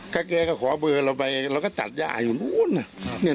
แกก็ขอเบอร์เราไปเราก็จัดย่ายอยู่นู้นนี่นี่น่ะ